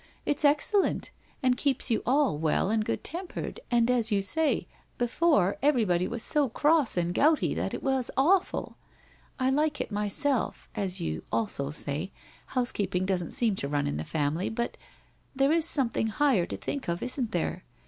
It's excellent and keeps you all well and good tempered, and as you say, before, everybody was so cross and gouty, that it was awful ! I like it myself; as you also say, house keeping doesn't seem to run in the family, but — there is something higher to think of, isn't there